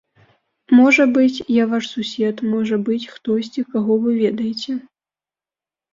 Можа быць, я ваш сусед, можа быць, хтосьці, каго вы ведаеце.